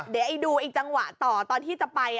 เดี๋ยวดูอีกจังหวะต่อตอนที่จะไป